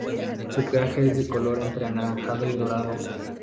Su pelaje es de color entre anaranjado y dorado.